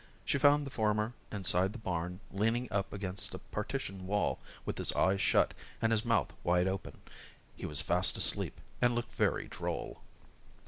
She found the former inside the barn leaning up against a partition wall with his eyes shut and his mouth wide open. He was fast asleep and looked very droll.